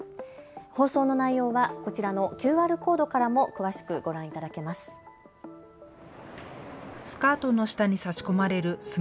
放送の内容はこちらのＱＲコードからも詳しくご覧いただけます。